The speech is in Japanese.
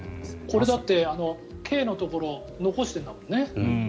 これ、だってＫのところ残してるんだもんね。